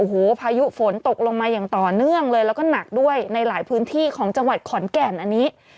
โอ้โหพายุฝนตกลงมาอย่างต่อเนื่องเลยแล้วก็หนักด้วยในหลายพื้นที่ของจังหวัดขอนแก่นอันนี้